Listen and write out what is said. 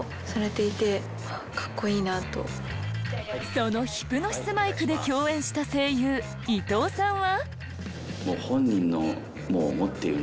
その『ヒプノシスマイク』で共演した声優伊東さんは。